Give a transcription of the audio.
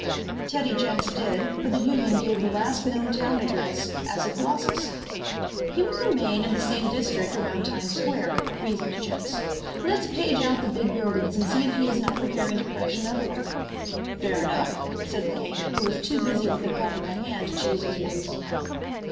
Teddy Jenks did, but the union gave the last known town address as the Colossus. "He would remain in the same district around Times Square," reasoned Jenks. "Let's page out the big buildings and see if he is not preparing to crash another one." "Fair enough," said Linane, who was too busy with the problem at hand to choose his words.